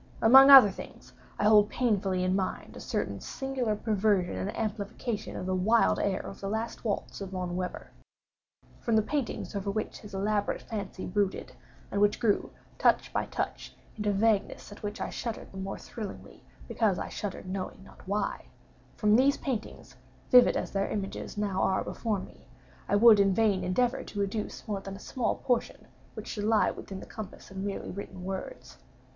Among other things, I hold painfully in mind a certain singular perversion and amplification of the wild air of the last waltz of Von Weber. From the paintings over which his elaborate fancy brooded, and which grew, touch by touch, into vaguenesses at which I shuddered the more thrillingly, because I shuddered knowing not why—from these paintings (vivid as their images now are before me) I would in vain endeavor to educe more than a small portion which should lie within the compass of merely written words.